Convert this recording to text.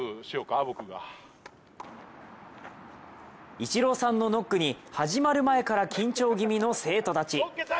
イチローさんのノックに始まる前から緊張気味の生徒たち。